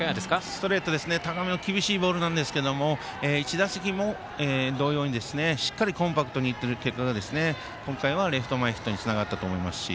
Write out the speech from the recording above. ストレート、高めの厳しいボールなんですが１打席も同様にしっかりコンパクトに振っている結果が今回はレフト前ヒットにつながったと思います。